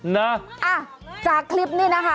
นะจากคลิปนี้นะคะ